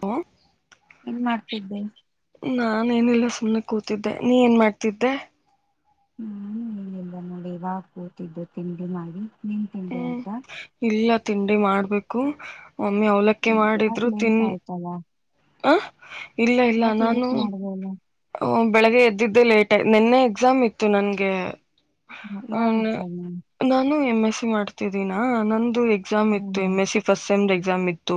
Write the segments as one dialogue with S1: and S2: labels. S1: Hello
S2: ಏನ್ ಮಾಡ್ತಿದ್ದೆ
S1: ನಾನ್ ಏನೆಲ್ಲ ಸುಮ್ನೆ ಕೂತಿದ್ದೆ ನೀ ಏನ್ ಮಾಡ್ತಿದ್ದೆ
S2: ನಾನು ಏನಿಲ್ಲ ನೋಡಿ ಇವಾಗ್ ಕೂತಿದ್ದು ತಿಂಡಿ ಮಾಡಿ. ನಿನ್ ತಿಂಡೆ
S1: ಹ್ಮ್
S2: ಆಯ್ತಾ
S1: ಇಲ್ಲ ತಿಂಡಿ ಮಾಡ್ಬೇಕು ಮಮ್ಮಿ ಅವಲಕ್ಕಿ
S2: ಯಾಕ
S1: ಮಾಡಿದ್ರು
S2: ಲೇಟ್
S1: ತಿನ್
S2: ಆಯ್ತಲ್ಲ
S1: ಹ ಇಲ್ಲ ಇಲ್ಲ
S2: ಯಾಕ
S1: ನಾನು
S2: ಲೇಟ್ ಮಾಡ್ದಲ್ಲ
S1: ಹ ಬೆಳಿಗ್ಗೆ ಎದ್ದಿದ್ದೆ ಲೇಟ್ ಆಯ್ ನಿನ್ನೆ ಎಕ್ಸಾಮ್ ಇತ್ತು ನನ್ಗೆ ಹ ಆ
S2: ಯಾವ ಎಕ್ಸಾಮ್
S1: ನಾನು ಎಂ ಮಾಡ್ತಿದ್ದೀನಾ ನಂದು ಹೆಗ್ ಕ್ಸಾಮ್ ಇತ್ತು ಎಂ
S2: ಹ್ಮ್
S1: ಎಸ್ ಸಿ ಫಸ್ಟ್ ಸೇಮ್ ದ್ ಎಕ್ ಸಾಮಿತ್ತು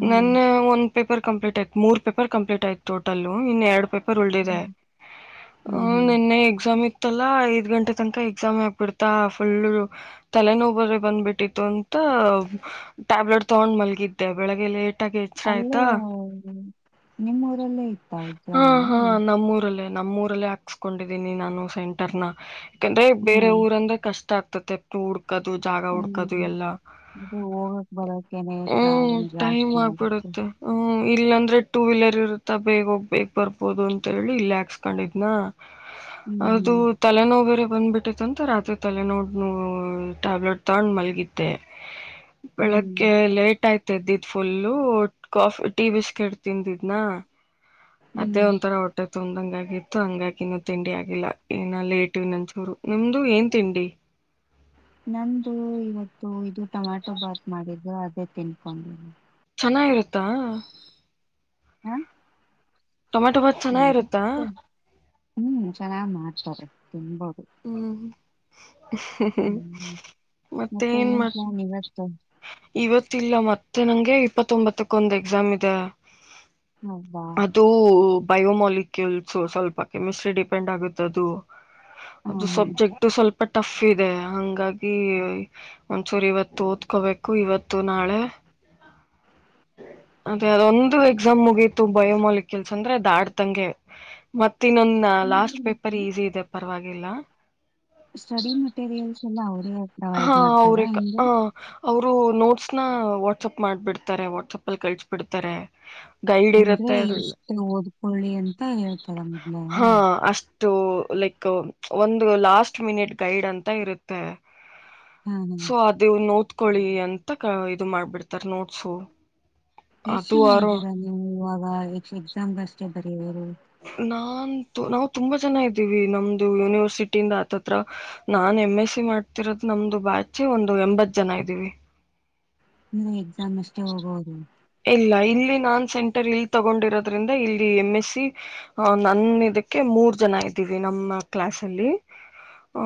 S2: ಹ್ಮ್
S1: ನನ್ನೆ ಒಂದ್ ಪೇಪರ್ ಕಂಪ್ಲೀಟ್ ಆಯತ್ ಮೂರ್ ಪೇಪರ್ ಕಂಪ್ಲೀಟ್ ಆಯ್ತ ಟೋಟಲ್ ಇನ್ನ ಎರಡ್ ಪೇಪರ್ ಉಳ್ದಿದೆ
S2: ಹ್ಮ್
S1: ಆ
S2: ಹ್ಮ್ ಹ್ಮ್
S1: ನಿನ್ನೆ ಎಕ್ಸಾಮ್ ಇ ತ್ತಲಾ ಐದ್ ಗಂಟೆ ತಂಕ ಎಕ್ಸಾಮ್ ಆಗ್ಬಿಡ್ತಾ ಫುಲ್ ತಲೆನೋವ್ ಬೇರೆ ಬಂದ್ಬಿಟ್ಟಿತ್ತು ಅಂತ ಟ್ಯಾಬ್ಲೆಟ್ ತಗೊಂಡ್ ಮಲಗಿದ್ದೆ ಬೆಳಗ್ಗೆ ಲೇಟ್
S2: ಅಲ್ಲೇ ನಿಮ್ಮೂರಲ್ಲೇ ಇತ್ತ
S1: ಹಾ
S2: ಎಕ್ಸಾಮ್
S1: ಹಾ
S2: ಹ್ಮ್
S1: ನಮ್ಮೂರಲ್ಲೇ ನಮ್ಮೂರಲ್ಲೇ ಹಾಕ್ಕೊಂಡಿದ್ದೀನಿ ನಾನು ಸೆಂಟರ್ ನಾ ಯಾಕಂದ್ರೆ ಬೇರೆ ಊರು ಅಂದ್ರೆ ಕಷ್ಟ ಆಗ್ತೆ ತೂಡ್ [unintelligible] ಹಾಕೋದು ಜಾಗ ಹುಡುಕೋದು
S2: ಹ್ಮ್
S1: ಎಲ್ಲ
S2: ಅದು ಹೋಗಕ್ ಬರೋಕೇನೆ ಟ್ರಾವೆಲ್
S1: ಟೈಮ್
S2: ಜಾಸ್ತಿ ಆಗುತ್ತೆ
S1: ಆಗ್ಬಿಡುತ್ತೆ ಹ್ಮ ಇಲ್ಲಾಂದ್ರೆ ಟು ವೀಲರ್ ಇರುತ್ತಾ ಬೇಗ ಹೋಗ್ಬೇಕು ಬರ್ಬೋದು ಅಂತ ಹೇಳಿ ಇಲ್ಲೇ ಹಾಕಿಸ್ಕೊಂಡಿದ್ನಾ
S2: ಹ್ಮ್
S1: ಅದು ತಲೆನೋವು ಬೇರೆ ಬಂದ್ಬಿಟ್ಟೈತಂತ ರಾತ್ರಿ ತಲೆ ನೋಡ್ ಟ್ಯಾಬ್ಲೆಟ್ ತಗೊಂಡ್ ಮಲ್ಗಿದ್ದೆ
S2: ಹ್ಮ್
S1: ಬೆಳಿಗ್ಗೆ ಲೇಟ್ ಆಯ್ತು ಎದ್ದಿದ್ದು ಫುಲ್ಲು ಕಾಫಿ ಟೀ ಬಿಸ್ಕೆಟ್ ತಿಂದಿದ್ನಾ
S2: ಹ್ಮ್ ಹ್ಮ್
S1: ಅದೇ ಒಂತರಾ ಹೊಟ್ಟೆ ತುಂಬಿದಂಗಾಗಿ ಥೂ ನಮ್ಗ್ ಯಾಕ್ ಇನ್ನು ತಿಂಡಿ ಆಗಿಲ್ಲ ಇನ್ನ ಲೇಟು ಇನ್ನೊಂದು ನಿಮ್ದು ಏನ್ ತಿಂಡಿ.
S2: ನಂದು ಇವತ್ತು ಇದು ಟೊಮ್ಯಾಟೋ ಬಾತ್ ಮಾಡಿದ್ರು ಅದೇ ತಿನ್ಕೊಂಡೆ.
S1: ಚೆನ್ನಾಗಿರುತ್ತ.
S2: ಹಾ
S1: ಚೆನ್ನಾಗಿರುತ್ತಾ
S2: ಇರುತ್ತೆ ಹ್ಮ್ ಚೆನ್ನಾಗ್ ಮಾಡ್ ಕರೆ ತುಂಬಾ.
S1: ಹ್ಮ ಹಃ ಹಃ ಹ
S2: ಹ್ಮ್ ಮತ್ತೆ
S1: ಮತ್ತೇನ್ ಮ
S2: ಏನ್ ಪ್ಲಾನ್ ಇವತ್ತು
S1: ಇವತ್ತಿಲ್ಲ ಮತ್ ಮತ್ತೆ ನಂಗೆ ಇಪ್ಪತ್ ತೋಮ್ಬತುಕ್ ಒಂದ್ ಎಕ್ಸಾಮ್ ಇದೆ.
S2: ಹೌದಾ
S1: ಅದು ಬಯೋಮಾಲಿಕ್ಯುಲ್ಸು ಸ್ವಲ್ಪ ಕೆಮಿಸ್ಟ್ರಿ ಡಿಫೆಂಡ್ ಆಗುತ್ ಅದು.
S2: ಹಾ
S1: ಅದು
S2: ಹಾ
S1: ಸಬ್ಜೆಕ್ಟು ಸ್ವಲ್ಪ ಟಫ್ ಇದೆ ಹಂಗಾಗಿ ಒಂಚೂರ್ ಇವತ್ತು ಓದ್ಕೋಬೇಕು ಇವತ್ತು ನಾಳೆ. ಅದೇ ಅದೊಂದು ಎಕ್ಸಾಮ್ ಮುಗೀತು ಬಯೋಮಾಲಿಕ್ಯೂಲ್ಸ್ ಅಂದ್ರೆ ದಾಟ್ ದಂಗೆ ಮತ್ ಮತ್ ಇನ್ನೊಂದ್ ಲಾಸ್ಟ್ ಪೇಪರ್ ಈಸಿ ಇದೆಪ. ಪರ್ವಾಗಿಲ್ಲ.
S2: ಸ್ಟಡಿ ಮೆಟೀರಿಯಲ್ಸ್ ಎಲ್ಲ ಹೌದ್
S1: ಹಾ ಅವ್ರೆಕ ಹ. ಅವ್ರು ನೋಟ್ಸ್ನ ವಾಟ್ಸಪ್ ಮಾಡ್ಬಿಡ್ತಾರೆ ವಾಟ್ಸಪಲ್ ಕಲ್ಸ್ ಬಿಡ್ತಾರೆ.
S2: ಅಂದ್ರೆ ಇಷ್ಟು ಓದ್ಕೊಳ್ಳಿ ಅಂತ ಹೇಳ್ತಾರಾ ನಿಮಗೆ
S1: ಥೂ ಲೈಕ್ ಒಂದು ಲಾಸ್ಟ್ ಮಿನಿಟ್ ಗೈಡ್ ಅಂತ ಇರುತ್ತೆ
S2: ಹಾ
S1: ಸೋ ಅದನ್ನು [unintelligible] ಕಳಿ ಅಂತ ಇದು ಮಾಡ್ಬಿಡ್ತಾರ ನೋಟ್ಸು
S2: ಎಷ್ಟ್
S1: ಅದು
S2: ಜನ
S1: ಆರು
S2: ಇದ್ದೀರಾ ನೀವು ಆಾಗ ಎ ಎಕ್ಸಾಮ್ ಬರ್ಸಿ [unintelligible]
S1: ನಾ ನಾ ನಾವು ತುಂಬಾ ಜನ ಇದ್ದೀವಿ ನಮ್ದು ಯೂನಿವರ್ಸಿಟಿಯಿಂದ ಆತ್ ಆತ್ರ ನಾನ್ ಎಮ್ ಎಸ್ ಸಿ ಮಾಡ್ತಿರೋದ್ ನಮ್ದು ಬ್ಯಾಚ ಒಂದು ಎಂಬತ್ ಜನ ಇದ್ದೀವಿ
S2: ನೀ ಎಕ್ಸಾಮ್ ಅಷ್ಟೇ ಹೋಗೋದು
S1: ಇಲ್ಲ ಇಲ್ಲಿ ನಾನ್ ಸೆಂಟರ್ ಇಲ್ಲಿ ತಗೊಂಡಿರೋದ್ರಿಂದ ಇಲ್ಲಿ ಎಮ್ ಎಸ್ ಸಿ ಅ ನನ್ನಕ್ಕೆ ಮೂರ್ ಜನ ಇದ್ದೀವಿ ನಮ್ಮ ಕ್ಲಾಸ್ ಅಲ್ಲಿ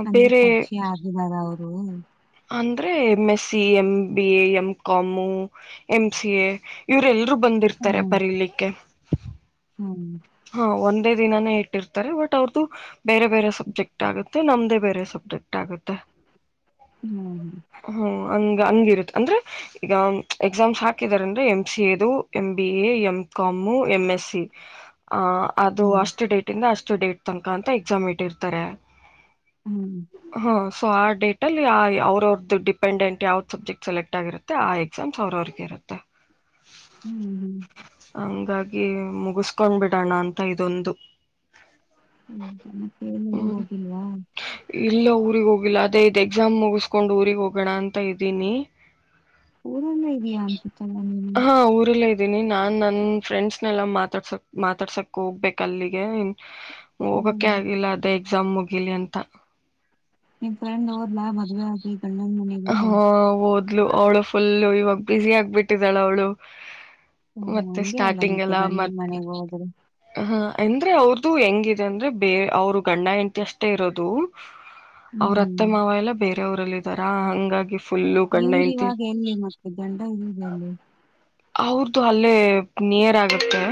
S2: ಅಂದ್ರೆ
S1: ಬೇರೆ
S2: ಪರಿಚಯ ಆಗಿದಾರ ಅವರು
S1: ಅಂದ್ರೆ M S C M B A M com M C A ಇವ್ರ ಎಲ್ರುೂ ಬಂದಿರ್ತಾರೆ ಬರಿಲಿಕ್ಕೆ
S2: ಹ್ಮ
S1: ಹಾ ಒಂದೇ ದಿನಾನೇ ಇಟ್ಟಿರ್ತಾರೆ ಬಟ್ ಅವ್ರದುು ಬೇರೆ ಬೇರೆ ಸಬ್ಜೆಕ್ಟ್ ಆಗುತ್ತೆ ನಮ್ದೇ ಬೇರೆ ಸಬ್ಜೆಕ್ಟ್ ಆಗುತ್ತೆ
S2: ಹ್ಮ್ ಹ್ಮ
S1: ಈ ಅಂಗಿರುತ್ತ ಅಂದ್ರೆ ಈಗ ಎಕ್ಸಾಮ್ಸ್ ಹಾಕಿದಾರೆ ಅಂದ್ರೆ ಎಂ ಸಿ ಎ ದು M B A M com M S C. ಹ ಅದು
S2: ಹ್ಮ್
S1: ಅಷ್ಟು ಡೇಟ್ ಇಂದ ಅಷ್ ಡಡೆಟ್ ತನಕ ಅಂತ ಎಕ್ಸಾಮ್ ಇಟ್ಟಿರ್ತಾರೆ
S2: ಹ್ಮ್ ಹ್ಮ್
S1: ಹ ಸ ಟ್ ಅ ಅವ್ರ ಅವ್ರ್ದು ಡಿಪೆಂಡೆಂಟ್ ಯಾವ್ ಸಬ್ಜೆಕ್ಟ್ ಸೆಲೆಕ್ಟ್ ಆಗಿರುತ್ತೆ ಆ ಎಕ್ಸಾಮ್ಸ್ ಅವ್ರ ಅವ್ರಗೆ ಇರುತ್ತೆ
S2: ಹ್ಮ್ ಹ್ಮ್
S1: ಹಂಗಾಗಿ ಮುಗಸ್ಕೊಂಡ್ ಬಿಿಟ್ಟು ಡಣ ಅಂತ ಇದೊಂದು
S2: ಹ್ಮ್ ಜನಕ್ಕೆ ಊರಿಗೆ
S1: ಹ್ಮ್
S2: ಹೋಗಿಲ್ವಾ
S1: ಇಲ್ಲ ಊರಿಗೆ ಹೋಗಿಲ್ಲ ಅದೇ ಇ ಎಕ್ಸಾಮ್ ಮುಗಿಸ್ಕೊಂಡು ಊಗ್ ಹೋಗೋಣ ಅಂತ ಇದ್ದೀನಿ
S2: ಊದಂದ ಇದ ಅನ್ಸತಲ್ಲ ನೀನು
S1: ಇದೀನಿ ನಾನ್ ನನ್ ಫ್ರೆಂಡ್ಸ್ನೆಲ್ಲಾ ಮಾತಾಡ್ಸೊ ಮಾತಾಡ್ಸಕ್ ಹೋಗ್ಬೇಕ ಅಲ್ಲಿಗೆ ಇನ್
S2: ಹ್ಮ್
S1: ಹೋಗಕೆ ಆಗಿಲ್ಲ ಅದೇ ಎಕ್ಸಾಮ್ ಮುಗಿ ಲಿ ಅಂತ
S2: ನಿನ್ ಫ್ರೆಂಡ್ ಹಓದ್ಲಾ ಮದ್ವೆ ಆಗ ಈಗ
S1: ಹ ಹೂದ ಮ್ಲು ಅವಳು ಫುಲ್ಲು ಇವಾಗ ಬಿಸಿ ಆಗ್ಬಿಟ್ಟಿದಾಳ ಅವಳು
S2: ಹ್ಮ್
S1: ಮತ್ತೆ
S2: ಹಂಗೆ ಅಲ್ಲ
S1: ಸ್ಟಾರ್ಟಿಂಗ್
S2: ಮತ್ತೆ
S1: ಎಲ್ಲ ಮ
S2: ಗಂಡನ್ ಮನೆಗೆ ಹೋದ್ರೆ
S1: ಹ ಅಂದ್ರೆ ಅವ್ರದುು ಹೆಂಗಿದೆ ಅಂದ್ರೆ ಬೇರೆ ಅವ್ರು ಗಂಡ ಎಟಿ ಅಷ್ಟೇ ಇರೋದು ಅವ್ರ
S2: ಹ್ಮ್
S1: ಅತ್ತ ಮಾವ ಎಲ್ಲ ಬೇರೆ ಅವ್ರಲ್ಲ ಇದಾರಾ ಹಂಗ [unintelligible]
S2: ನೀವ ಇವಾಗ ಎಲ್ಲಿ ಮತ್ತೆ ದಂಡ ಇಲ್ಲ
S1: ಅವ್ರದು ಅಲ್ಲೇ ನಿಯರ್ ಆಗತ್ತೆ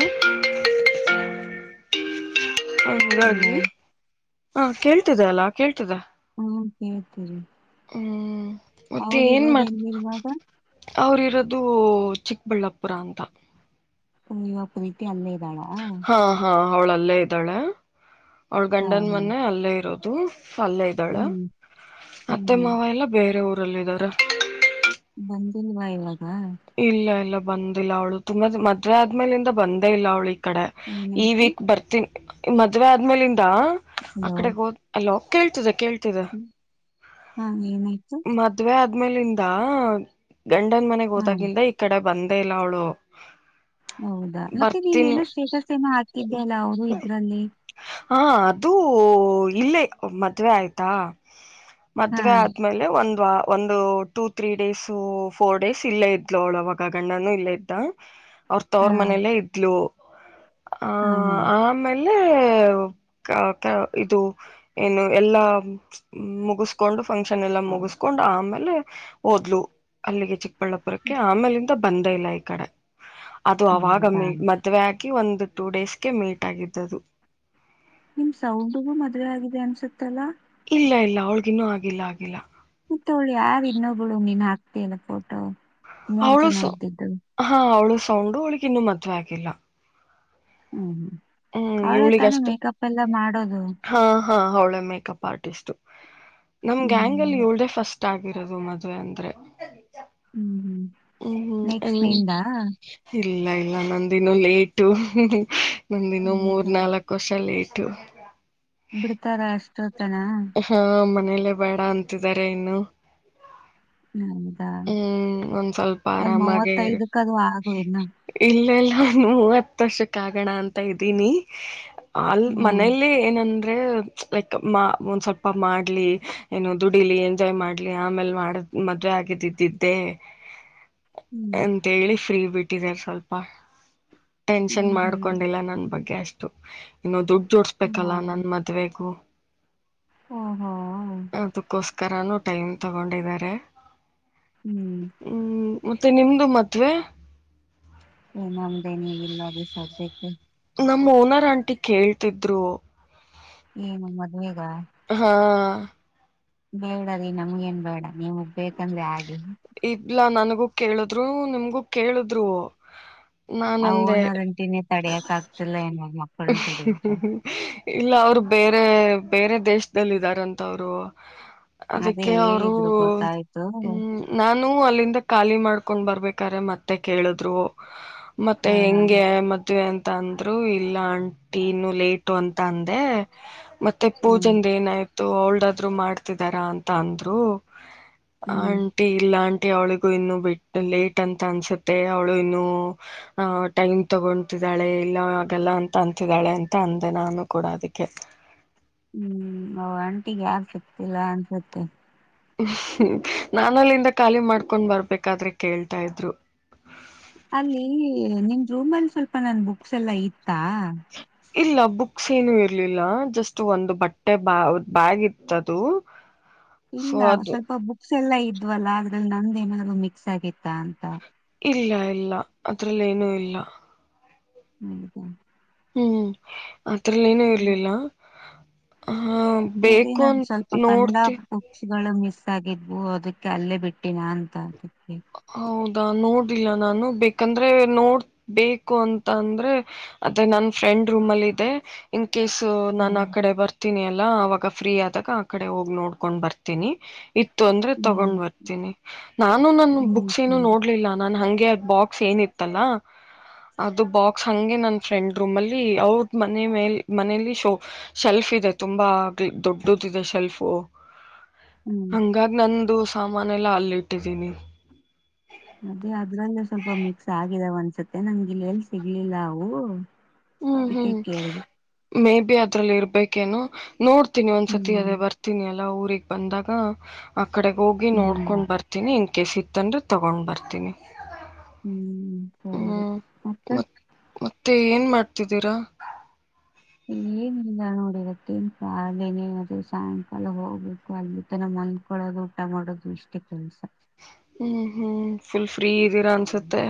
S2: ಅಲ್ವಾ
S1: ಹಂಗಾಗಿ ಹಾ ಕೇಳ್ತಿದೆ ಅಲ್ಲಾ ಕೇ
S2: ಹ್ಮ್ ಕೇಳ್ತೀವಿ
S1: ಹ್ಮ್ ಮತ್ತೆ
S2: ಅವ್ರ್
S1: ಏನ್
S2: ಇರೋದ್
S1: ಮಾಡ್ತ
S2: ಎಲ್ಲಿ ಇವಾಗ
S1: ಅವ್ರ ಇರ ಅದು ಚಿಕ್ಕಬಳ್ಳಾಪುರ ಅಂತ
S2: ನೀವ ಪ್ರೀತಿ ಅಲ್ಲೇ ಆ
S1: ಅವಳಲ್ಲೇ ಇದ್ದಾಳೆ ಅವಳ ಗಂಡನನ್
S2: ಹಾ
S1: ಮನೆ ಅಲ್ಲೇ ಇರೋದು ತ ಪಲ್ಲೆ ಇದ್ದಾಳೆ
S2: ಹ್ಮ್ ಹ್ಮ್
S1: ಅತ್ತೆ
S2: ಹ್ಮ್
S1: ಮಾವ ಎಲ್ಲ ಬೇರೆ ಊರು ರಲ್ಲ ಇದಿದ್ದಾರೆ
S2: ಬಂದಿಲ್ವಾ ಇವಾಗ
S1: ಇಲ್ಲ ಇಲ್ಲ ಬಂದಿಲ್ಲ ಅವ್ಳು ತುಂಬ ಮದ್ವೆ ಆದ್ಮೇಲಿಂದ ಬಂದೇ ಇಲ್ಲ ಅವ್ಳ ಇಲ್ ಕಡ ಈ
S2: ಏನಾಯ್ತು
S1: ವೀಕ್ ಬರ್ತೀನ್. ಮದ್ವೆ ಆದ್ಮೇಲ್ ಇನ್ ದ
S2: ಹಲೋ
S1: ಅಕಡೆಗ್ ಹೋಗ್ ಅಲೋ. ಕೇಳ್ತಿದೆ ಕೇಳ್ ತಿದೆ
S2: ಹಾ ಏನಾಯ್ತು
S1: ಮದ್ವೆ ಅದ್ ಆಮೇಲಿಂದ ಗಂಡನ್
S2: ಹಾ
S1: ತ ಗಿಂದ ಈ ಕಡೆ ಬಂದ್ ದೆಯಿಲ್ಲ ಅವ್ಳು.
S2: ಹೌದಾ ಮತ್ ಇನಿನೇನೋ ಸ್ಟೇಟಸ್ ಏನೂ ಹಾಕಿದ್ದೆ ಅಲ್ಲಾ ಅವ್ರು ಇದ್ರಲ್ಲಿ.
S1: ಹಾ ಅದು ಇಲ್ಲೇ ಮದ್ವೆ ಆಯ್ತಾ.
S2: ಹಾ
S1: ಮದ್ವೆ ಆದ್ಮೇಲೆ ಒಂದ್ ವ ಒಂದು two three days four days ಇಲ್ಲೇ ಇದ್ಳು ಅವಳು ಅವಾಗ ಗಂಡನು ಇಲ್ಲೆ ಇದ್ದ. ಅವ್ರ ತವ್ರ
S2: ಹಾ
S1: ಮನೆಯಲ್ಲೇ ಇದ್ಲು. ಹ
S2: ಹಾ ಹಾ
S1: ಆಮೇಲೆ ಮೇಲೆ ಇದು ಏನು ಎಲ್ಲಾ ಮುಗಸ್ಕೊಂಡು ಫಂಕ್ಷನ್ ಎಲ್ಲ ಮುಗುಸ್ಕೊಂಡ್ ಆಮೇಲೆ ಓದ್ಲು ಅಲ್ಲಿಗೆ ಚಿಕ್ಕಬಳ್ಳಾ ಬರಕೆ ಆಮೇಲಿಂದ ಬಂದ ಇಲ್ಲ ಈ ಕಡೆ. ಅದು
S2: ಹೌದಾ
S1: ಅವಾಗಮ್ಮಿ ಮದ್ವೆ ಆಗಿ ಒಂದು ಟೂ ಡೇಸ್ಗೆ ಮೀಟ್ ಆಗಿದ್ದದು.
S2: ತ್ತಲ್ಲ.
S1: ಇಲ್ಲ ಇಲ್ಲ ಅವಳ್ಗಿನ್ನು ಆಗಿಲ್ಲ ಆಗಿಲ್ಲ.
S2: ಮತ್ತೆ ಅವ್ಳು ಯಾರು ಇನ್ನೊಬ್ಬಳು ನೀನ್ ಹಾಕ್ತಯಲ್ಲ ಫೋಟೋ. ಮೂರ್
S1: ಅವಳು
S2: ಜನ
S1: ಸೌ
S2: ಇದ್ದಿದ್ದು
S1: ಹಾ ಅವಳು ಸೌಂಡು ಅವಳಿಗೆ ಇನ್ನು ಮದುವೆ ಆಗಿಲ್ಲ.
S2: ಹ್ಮ್ ಹ್ಮ್
S1: ಹ್ಮ್
S2: ಅವಳೇ
S1: ಇವುಳಿಗೆ
S2: ತಾನೇ
S1: ಅಷ್ಟೇ
S2: ಮೇಕಪ್ ಎಲ್ಲ ಮಾಡೋದು
S1: ಹಾ ಹಾ ಅವಳೆ. Makeup artist. ನಮ್ ಗ್ಯಾಂಗ್ ಅಲ್ಲಿ
S2: ಹ್ಮ್
S1: ಇವೆಲ್ಡೇ ಫಸ್ಟ್ ಗಾಗಿಿರೋದು ಮದ್ವೆ ಅಂದ್ರೆ
S2: ಹ್ಮ್ ಹ್ಮ್
S1: ಹ್ಮ್
S2: ನೆಕ್ಸ್ಟ್
S1: ಹ್ಮ್
S2: ನಿಂದ
S1: ಹ್ ಇಲ್ಲ ಇಲ್ಲ ನಂದಿನೂ ಲೇಟು ನಂದನ್ನು ಮೂರ್
S2: ಹೌದಾ
S1: ನಾಲ್ಕು ವರ್ಷ ಲೇಟ್ ಟ್ಟು
S2: ಬಿಡ್ತಾರ ಅಷ್ಟು ಜನ
S1: ಹಾ ಮನೇಲ್ಲೇ ಬೇಡ ಅಂತಿದ್ದಾರೆ ಇನ್ನು
S2: ಹೌದಾ
S1: ಹ್ಮ್ ಒಂದ್ ಸ್ವಲ್ಪ
S2: ಒಂದ್
S1: ಆರಾಮಾಗೆ
S2: ಮೂವತ್ತೈದಕ್ಕ ಅದು ಆಗು ಇನ್ನು
S1: ಇಲ್ಲೆಲ್ಲ ಒ ಮೂವತ್ ದಷ ಕಾಗಣ ಅಂತ ಇದ್ದೀನಿ ಅಲ್
S2: ಹ್ಮ್
S1: ಮನೇಲಿ ಏನಂದ ಲೈಕ್ ಒಂದ್ ಸ್ವಲ್ಪ ಮಾಡ್ಲಿ ಏನೋ ದುಡಿಲಿ ಎಂಜಾಯ್ ಮಾಡ್ಲಿ ಆಮೇಲ್ ಮಾಡದ್ ಮದ್ವೆ ಆಗಿದ ್ದಿದ್ದೆ
S2: ಹ್ಮ್
S1: ಎಂತೇಳಿ ಫ್ರೀ ಬಿಟ್ಟು ಇಟ್ಟಿದ್ದಾರೆ ಸ್ವಲ್ಪ ಟೆನ್ಷನ್
S2: ಹ್ಮ್
S1: ಮಾಡ್ಕೊಂಡಿಲ್ಲ ನನ್ ಬಗ್ಗೆ ಅಷ್ಟೆ ಇನ್ನೊ ದು
S2: ಹ್ಮ್
S1: ಜೋಡ್ಸ್ಬೇಕಲ್ಲ
S2: ಹಾ
S1: ನನ್ ಮದ್ವೆಗೂ
S2: ಓಹೋ
S1: ಆತ ಕಷ್ಟ ಕರನುೂ ಟೈಮ್ ತಗೊಂಡಿದ್ದಾರೆ
S2: ಹ್ಮ್
S1: ಹ್ಮ್ ಮತ್ತೆ ನಿಮ್ದು ಮತ್ವೆ
S2: ಏನೊಮ್ದೇ ನೀ ಈಗಿಲ್ಲ ದ ಸದ್ಯಕ್ಕೆ
S1: ನಮ್ಮ್ ಓನರ್ ಆಂಟಿ ಕೇಳ್ತಿದ್ರು
S2: ಈಏ ನಮ್ಮದ್ೇಗ
S1: ಹಾ
S2: ಬೇಡ ರೀ ನಮ್ಗ ನ್ ಬೇಡ ನೀವುಗ್ ಬೇಕಂದ್ರೆ ಆಗಿ
S1: ಇಲಾ ನನ್ಗೂ ಕೇಳಿದ್ರು ನಿಮ್ಗೂ ಕೇಳಿದ್ರು
S2: ಆ
S1: ನಾನಂದೆ
S2: ಓನರ್ಂಟಿನೇ ತಡಿಯಕ್ ಆಗ್ತಿಲ್ಲ ಏನ ಮಕ್ಕಳನು ತಡಿಯುತ್ತ
S1: ಇಲ್ಲ ಅವ್ರು ಬೇರೆ ಬೇರೆ ದೇಶದದಲ್ಲಿ ಇದ್ದಾರಂತ ಅವ್ರು
S2: ಅದೇ
S1: ಅದಕ್ಕೆ ಅವರು
S2: ಹೇಳಿದ್ರು ಗೊತ್ತಾಯ್ತು
S1: ಹ್ಮ್ ನಾನು ಅಲ್ಲಿಂದ ಖಾಲಿ ಮಾಡ್ಕೊಂಡ್ ಬರ್ಬೇಕ್ರೆ ಮತ್ತೆ ಕೇಳಿದ್ರು
S2: ಹ
S1: ಮತ್ತೆ
S2: ಹ
S1: ಹೆಂಗೆ ಮದ್ವೆ ಅಂತ ಂದ್ರು ಇಲ್ಲ ಆಂಟಿ ಇನ್ನು ಲೇಟು ಅಂತ ಅಂದೆ ಮತ್ತೆ
S2: ಹ್ಮ್
S1: ಪೂಜಂದ ಏನಾಯ್ತು ಅವಳ ಯದಾದ್ರು ಮಾಡ್ತಿದಾರ ಅಂತ ಅಂದ್ರು ಹ
S2: ಹ್ಮ್
S1: ಆಂಟಿ ಅವಳಿಗೂ ಇನ್ನು ಬಿಟ್ಟ ಲೇಟ್ ಅಂತ ಅನ್ಸುತ್ತೆ ಅವಳು ಇನ್ನು ಅ ಟೈಮ್ ತಗೊತಿದ್ದಾಳೆ ಇಲ್ಲ ಆಗಲ್ಲ ಅಂತ ಅಂತಿದ್ದಾಳೆ ಅಂತ ಅಂದಂದೆ ನಾನು ಕೂಡ ಅದಕ್ಕೆ
S2: ಹ್ಮ್ ನ್ ಅಂಟಿಿಗೆ ಯಾರ ಸಿಕ್ತಿಲ್ಲ ಅನ್ಸತ್ತೆ
S1: ಹ್ಮ ನಾನಲ್ಲಿಂದ ಖಾಲಿ ಮಾಡ್ಕೊಂಡ್ ಬರ್ಬೇಕಾದ್ರೆ ಕೇಳ್ತಾ ಇದ್ರು
S2: ಅಲ್ಲಿ ನಿಮ್ ರೂಮ್ ಅಲ್ಲಿ ಸ್ವಲ್ಪ ನನ್ ಬುಕ್ಸ್ ಎಲ್ಲಾ ಇತ್ತು ಹಾ
S1: ಇಲ್ಲ ಬುಕ್ಸ್ ಏನು ಇರ್ಲಿಲ್ಲ ಜಸ್ಟ್ ಒಂದು ಬಟ್ಟೆ ಬ ಬ್ಯಾಗ್ ಇತ್ತದು ಸೊ
S2: ಇಲ್ಲ
S1: ಅದು
S2: ಸ್ವಲ್ಪ ಬುಕ್ಸ್ ಎಲ್ಲಾ ಇದ್ವಲ್ಲ ಅ್ರಲ್ಲಿ ನಂದ ಏನಾದ್ರು ಮಿಕ್ಸ್ ಆಗಿತ್ತ ಅಂತ
S1: ಇಲ್ಲ ಇಲ್ಲ ಅದ್ರಲ್ಲಿ ಏನುೂ ಇಲ್ಲ
S2: ಹ್ಮ
S1: ಹ್ಮ್ ಅದರಲ್ಲಿ ಏನೂ ಇರ್ಲಿಲ್ಲ ಹ
S2: ಅದೇ
S1: ಬೇಕು
S2: ನಂದ
S1: ಅಂತ
S2: ಸ್ವಲ್ಪ ಕನ್ನಡ
S1: ನೋಡ್ತಿ
S2: [unintelligible] ಮಿಸ್ ಆಗಿದ್ವು ಅದಕ್ಕೆ ಅಲ್ಲೇ ಬಿಟ್ಟಿನಾ ಅಂತ ಆತವಿ
S1: ಹೌದಾ ನೋಡಿಲ್ಲಲ್ಲ ನಾನು ಬೇಕಂದ್ರೆ ನೋಡ್ ಬೇಕು ಅಂತ ಅಂದ್ರೆ ಅದೇ ನನ್ ಫ್ರೆಂಡ್ ರೂಮ್ ಅಲ್ಲಿ ಇದೆ ಕೇಸು ನನ್
S2: ಹ್ಮ್
S1: ಆ ಕಡೆ ಬರ್ತ ರ್ತೀನಿ ಅಲ್ಲ ಅವಾಗ ಫ್ರೀ ಆದಾಗ ಆ ಕಡೆ ಹೋಗಿ ನೋಡ್ಕೊಂಡ್ ಬರ್ತೀನಿ. ಇತ್ತು ಅಂದ್ರೆ
S2: ಹ್ಮ್
S1: ತಗೊಂಡ್ ಬರ್ತೀನಿ ನಾನು ನಾನ್
S2: ಹ್ಮ್
S1: ಬುಕ್
S2: ಸರಿ
S1: ನೋಡ್ಲಿಲ್ಲ. ನಾನ್ ಹಂಗೆ ಬಾಕ್ಸ್ ಏನಿತ್ತಲ್ಲ ಅದು ಬಾಕ್ಸ್ ಹಂಗೆ ನನ್ನ ಫ್ರೆಂಡ್ ರೂಮ್ ಅಲ್ಲಿ ಅವ್ರ ಮನೆ ಮೇ ಮನಲಿ ಶೆಲ್ಫ್ ಇದೆ ತುಂಬಾ ದೊಡ್ಡದು ಇದೆ ಶೆಲ್ಫು.
S2: ಹ್ಮ್
S1: ಹಾಂಗಾಗ್ ನಂದು. ಸಾಮಾನ ಎಲ್ಲ ಅಲ್ಲಿ ಇಟ್ಟಿದ್ದೀನಿ.
S2: ಅದೇ ಅದ್ರಲ್ಲೆ ಸ್ವಲ್ಪ ಮಿಕ್ಸ್ ಆಗಿದಾವ ಅನ್ಸತ್ತೆ ನಂಗ ಇಲ್ಲ ಎಲ್ಲಿ ಸಿಗ್ಲಿಲ್ಲ ಅವು. ಅದಿಕ್ಕೆ ಕೇಳ್ದೆ.
S1: ಮೆ ಬಿ ಅದ್ರಲ್ಲಿ ಇರ್ಬೇಕೇನು. ನೋಡ್ತೀನಿ ಒಂದ್ಸತಿ ಅದೇ
S2: ಹ್ಮ್
S1: ಬರ್ತೀನಿ ಅಲ್ಲ ಊ ರಿಗ್ ಬಂದಾಗ ಅ ಅಕಡೆ ಹೋಗಿ
S2: ಹ್ಮ್
S1: ನೋಡ್ಕೊಂಡ್ ಬರ್ತೀನಿ. ಇನ್ ಕೇಸ್ ಇತ್ತಂದ್ರೆ ತಗೊಂಡ್ ಬರ್ತೀನಿ.
S2: ಹ್ಮ್ ಹ್ಮ್ ಹೌದು
S1: ಹ್ಮ್
S2: ಮತ್ತೆ.
S1: ಮತ್ ಮತ್ತೆ, ಏನ್ ಮಾಡ್ತಿದ್ದೀರಾ.
S2: ಏನಿಲ್ಲ ನೋಡಿವತ್ತೇನ್ [unintelligible] ಸಾಯಂಕಾಲ ಹೋಗ್ಬೇಕು ಅಲ್ಲಿ ತನ ಮಂದ್ಕೊಳ್ಳೋದು ಊಟ ಮಾಡೋದು ಇಷ್ಟೇ ಕೆಲ್ಸ.
S1: ಹ್ಮ್ ಹ್ಮ ಫುಲ್ ಫ್ರೀ ಇದ್ದೀರಾ ಅನ್ಸತ್ತೆ.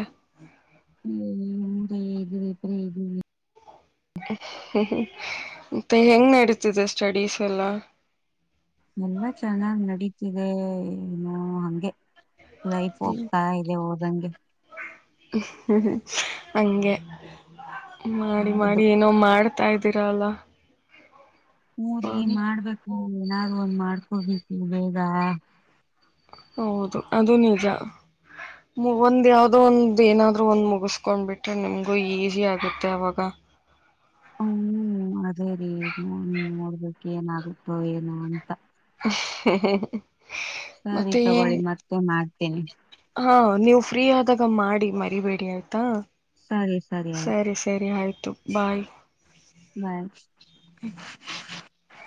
S2: ಹ್ಮ್ ಹ್ಮ್ ಫ್ರೀ ಇದೀನಿ ಫ್ರೀ ಇದೀನಿ.
S1: ಹ್ಮ್ ಹ್ಮ್ ಯಪ್ಪ ಹೆಂಗ್ ನಡೀತ್ತಿದೆ ಸ್ಟಡೀಸ್ ಎಲ್ಲ.
S2: ನಮ್ಮ ಚೆನ್ನಾಗ್ ನಡೀತು. ತಿದೆ ಏನೋ ಹಂಗೆ. ಲೈಫ್ ಹೋಗ್ತಾ ಇದೆ ಹ. ದಂಗೆ.
S1: ಹಃ ಹಃ ಹ ಹಾಂಗೆ. ಮಾಡಿ,
S2: ಹೌದು
S1: ಮಾಡಿ, ಏನೋ ಮಾಡ. [inaudible] ಹತಾ, ಇದ್ದೀರಲ್ಲ? [inaudible]
S2: ಹರಿೀ, ಮಾಡ್ಬೇಕು? [inaudible] ಹ್ಮ, ಏನಾದರೂ, ಒಂದ್. ಮಾಡ್ಕೊೋಗಿದವಿ ಬೇಗ? [inaudible]
S1: ಹೌದು! ಅದು ನಿಜ ಒಂದ್ ಯಾವ್ದೋ? ಒಂದ್ ಏನಾದರು, ಒಂದ್ ಮುಗಿಸ್ಕೊಂಡ್ಬಿಟ್ರೆ. ನಿಮ್ಗು ಈಸಿ ಆಗುತ್ತೆ ಅವಾಗ? [unintelligible]
S2: ಹ್ಮ್, ಅದೇ ರೀ! ನ ನೋಡ್ಬೇಕ, ಏನಾಗುತ್ತೋ ಏನು ಅಂತ.. [inaudible]
S1: ಹ.. [inaudible]
S2: ಸರಿ, ತಗೊಳ್ಳಿ. ಮತ್ತೆ ಮಾಡ್ತೇನಿ? [inaudible]
S1: ಹಾ ನೀವು ಫ್ರೀ? ಆದಾಗ, ಮಾಡಿ ಮರಿಬೇಡಿ ಆಯ್ತಾ?
S2: ಸರಿ
S1: [inaudible]
S2: ಆಯ್ತು
S1: ಸರಿ, ಸರಿ, ಆಯ್ತು? ಬಾಯ್.. [inaudible]
S2: ಬಾಯ್? [inaudible]